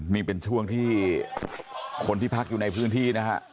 นี่เป็นช่วงที่คนที่พักอยู่ในพื้นที่นะฮะ